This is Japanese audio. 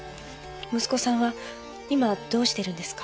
息子さんは今どうしてるんですか？